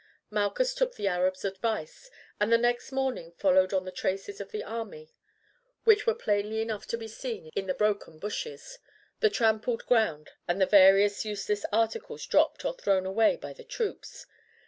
Malchus took the Arab's advice, and the next morning followed on the traces of the army, which were plainly enough to be seen in the broken bushes, the trampled ground, and in various useless articles dropped or thrown away by the troops.